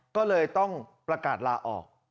ก็เลยต้องประกาศลาออก